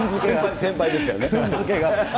先輩ですからね。